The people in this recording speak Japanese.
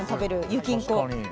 ゆきんこ。